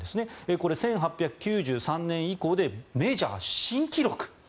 これは１８９３年以降でメジャー新記録。